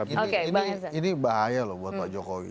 ini bahaya loh buat pak jokowi